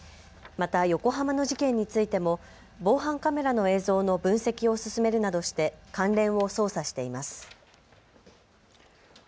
また横浜の事件についても防犯カメラの映像の分析を進めるなどして関連を捜査しています。